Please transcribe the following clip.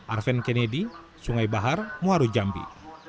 arfen kennedy sungai bahar muarujambi